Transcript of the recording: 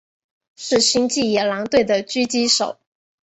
是星际野狼队的狙击手。